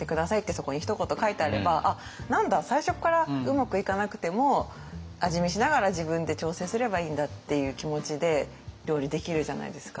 そこにひと言書いてあれば「あっなんだ最初からうまくいかなくても味見しながら自分で調整すればいいんだ」っていう気持ちで料理できるじゃないですか。